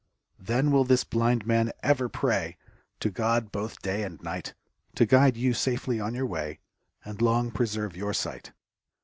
I Then will this blind man over pray ! To God both day and night I To guide you safely on your way, ! And long preserve your sight.